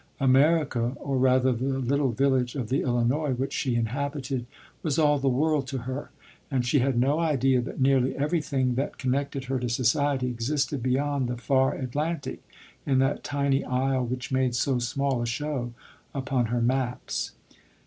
America, or rather the little village of the Illinois which she inhabited, was all the world to her; and she had no idea that nearlv every tiling that con nected her to society existed beyond the far Atlantic, in that tiny isle which made so small a show upon her maps.